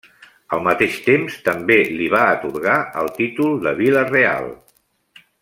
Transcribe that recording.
Al mateix temps també li va atorgar el títol de vila real.